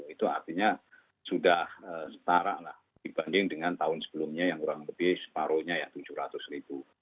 itu artinya sudah setara dibanding dengan tahun sebelumnya yang kurang lebih separuhnya ya tujuh ratus ribu